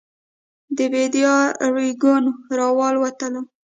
د بېدیا رېګون راوالوتل.